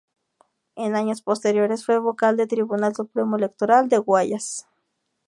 En años posteriores fue vocal del Tribunal Supremo Electoral de Guayas.